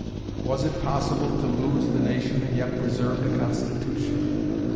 Was it possible to lose the nation and yet preserve the Constitution?